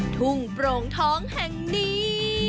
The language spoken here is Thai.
ทุ่งโปร่งท้องแห่งนี้